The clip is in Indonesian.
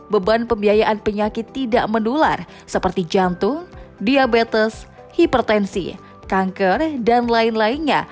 beban pembiayaan penyakit tidak menular seperti jantung diabetes hipertensi kanker dan lain lainnya